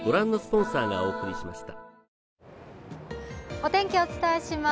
お天気をお伝えします。